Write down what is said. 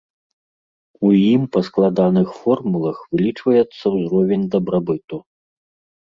У ім па складаных формулах вылічваецца ўзровень дабрабыту.